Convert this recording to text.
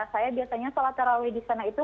saya biasanya sholat terawih di sana itu